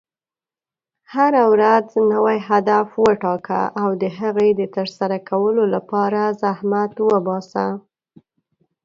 هره ورځ نوی هدف وټاکه، او د هغې د ترسره کولو لپاره زحمت وباسه.